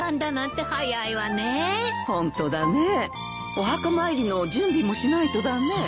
お墓参りの準備もしないとだね。